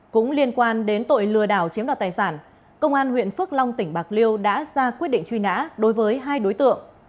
cũng liên quan đến tội lừa đảo chiếm đoạt tài sản công an huyện phước long tỉnh bạc liêu đã ra quyết định truy nã đối với hai đối tượng